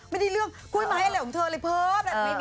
ไม่ได้เรื่องคุยไม้อะไรของเธอเลย